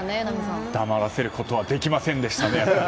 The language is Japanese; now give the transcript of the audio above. やっぱり黙らせることはできませんでしたね。